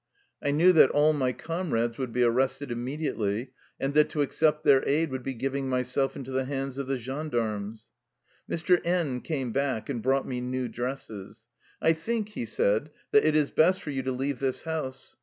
I knew that all my comrades would be arrested immediately, and that to accept their aid would be giving myself into the hands of the gen darmes. Mr. N came back and brought me new dresses. " I think," he said, " that it is best for you to leave this house.